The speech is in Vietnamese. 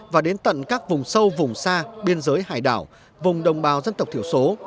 và đến tận các vùng sâu vùng xa biên giới hải đảo vùng đồng bào dân tộc thiểu số